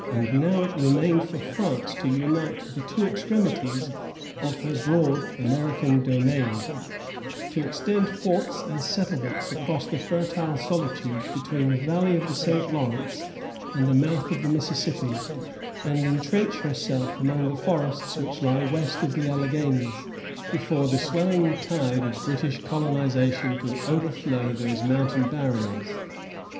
And now it remained for France to unite the two extremities of her broad American domain, to extend forts and settlements across the fertile solitudes between the valley of the St. Lawrence and the mouth of the Mississippi, and intrench herself among the forests which lie west of the Alleghanies, before the swelling tide of British colonization could overflow those mountain barriers.